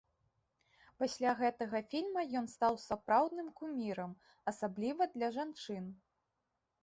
Пасля гэтага фільма ён стаў сапраўдным кумірам, асабліва для жанчын.